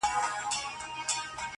"د مثقال د ښو جزا ورکول کېږي!!